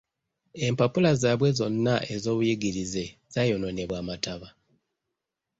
Empapula zaabwe zonna ez'obuyigirize zaayonoonebwa amataba.